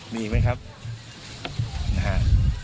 มีอีกไหมครับนะฮะ